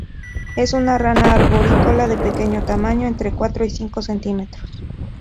Es una rana arborícola de pequeño tamaño, entre cuatro y cinco centímetros.